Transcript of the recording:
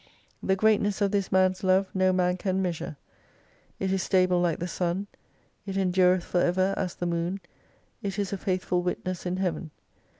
The greatness of this man's love no man can measure ; it is stable like the Sun, it endureth for ever as the Moon, it is a faithful witness in Heaven.